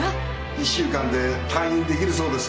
１週間で退院出来るそうです。